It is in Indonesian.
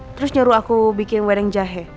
terus nyuruh aku bikin wedeng jahe